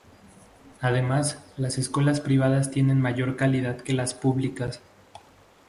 Además, las escuelas privadas tienen mayor calidad que las públicas.